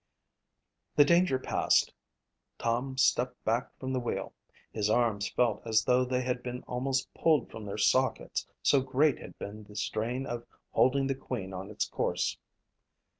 The danger past, Tom stepped back from the wheel. His arms felt as though they had been almost pulled from their sockets, so great had been the strain of holding the Queen on its course.